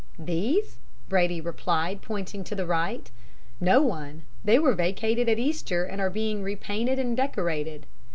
"'These?' Brady replied, pointing to the right. 'No one. They were vacated at Easter, and are being repainted and decorated.